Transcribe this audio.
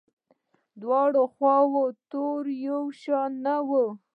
دواړو خواوو توري یو شان نه وو.